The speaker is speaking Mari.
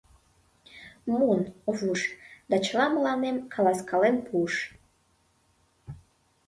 — Муын, Овуш... да чыла мыланем каласкален пуыш.